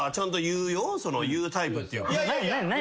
何？